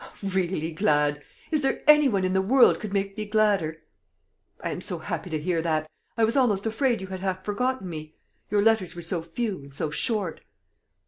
"Really glad! Is there any one in the world could make me gladder?" "I am so happy to hear that. I was almost afraid you had half forgotten me. Your letters were so few, and so short."